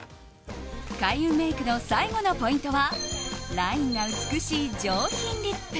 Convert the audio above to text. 開運メイクの最後のポイントはラインが美しい上品リップ。